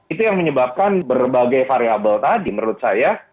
itu yang menyebabkan berbagai variable tadi menurut saya